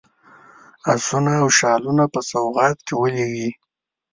آسونه او شالونه په سوغات کې ولېږلي.